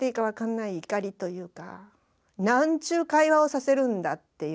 何ちゅう会話をさせるんだっていう。